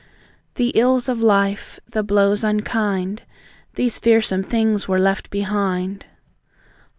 The ills of life, the blows unkind, These fearsome things were left behind.